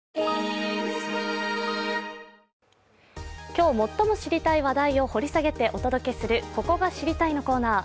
今日最も知りたい話題を掘り下げてお届けする「ここが知りたい！」のコーナー。